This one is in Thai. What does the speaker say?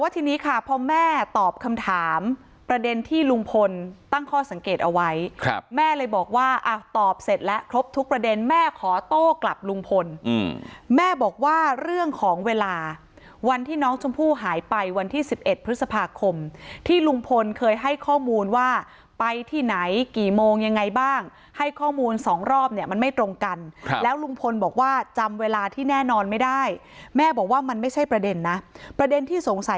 ทีนี้ค่ะพอแม่ตอบคำถามประเด็นที่ลุงพลตั้งข้อสังเกตเอาไว้ครับแม่เลยบอกว่าอ่าตอบเสร็จแล้วครบทุกประเด็นแม่ขอโต้กลับลุงพลอืมแม่บอกว่าเรื่องของเวลาวันที่น้องชมพู่หายไปวันที่สิบเอ็ดพฤษภาคมที่ลุงพลเคยให้ข้อมูลว่าไปที่ไหนกี่โมงยังไงบ้างให้ข้อมูลสองรอบเนี่ยมันไม่ตรง